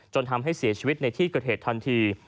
ทำให้เสียชีวิตในที่เกิดเหตุทันที